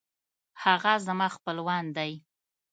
هغه زما خپلوان دی